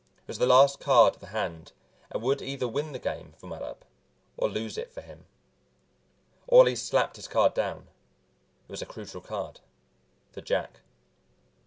It was the last card of the hand, and would either win the game for Mattup or lose it for him. Orley slapped his card down; it was a crucial card, the jack.